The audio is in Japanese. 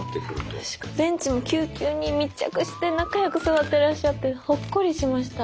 ベンチもきゅうきゅうに密着して仲良く座ってらっしゃってほっこりしました。